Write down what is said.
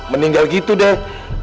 meninggal gitu deh